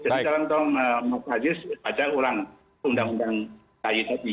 jadi sekarang pak aziz ada undang undang kaye tadi